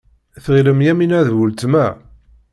Tɣilem Yamina d weltma.